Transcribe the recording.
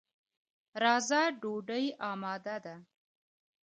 راځه، ډوډۍ اماده ده.